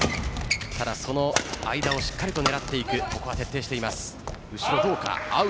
その間をしっかりと狙っていく徹底しています。